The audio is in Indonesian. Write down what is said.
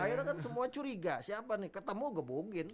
akhirnya kan semua curiga siapa nih ketemu gebokin